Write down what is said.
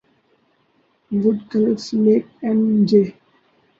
would cliff Lake اینجے